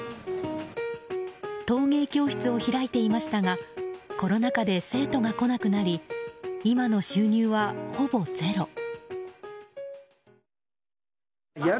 陶芸教室を開いていましたがコロナ禍で生徒が来なくなり今の収入はほぼゼロ。